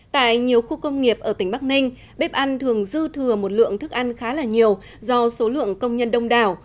tại nhiều khu công nghiệp ở tỉnh bắc ninh bếp ăn thường dư thừa một lượng thức ăn khá là nhiều do số lượng công nhân đông đảo